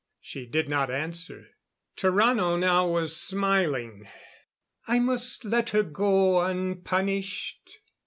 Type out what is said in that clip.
She did not answer. Tarrano now was smiling. "I must let her go unpunished?